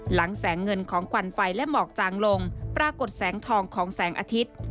หลังแสงเงินของควันไฟและหมอกจางลงปรากฏแสงทองของแสงอาทิตย์